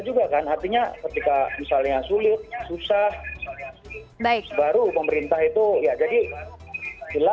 juga kan artinya ketika misalnya sulit susah baru pemerintah itu ya jadi jelas